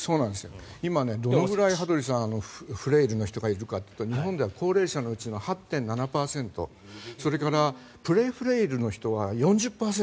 今、どのくらいフレイルの人がいるかというと日本では高齢者のうちの８．７％それからプレフレイルの人は４０％。